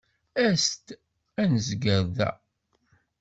As-d ad nezger da.